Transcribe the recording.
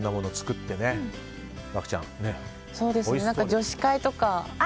女子会とか。